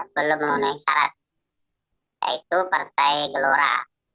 belum memenuhi syarat yaitu partai gelora